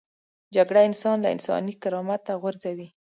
جګړه انسان له انساني کرامت غورځوي